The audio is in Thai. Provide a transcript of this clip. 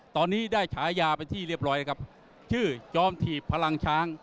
ตอนนี้ได้ฉายาเป็นที่เรียบร้อยครับชื่อจอมถีบพลังช้าง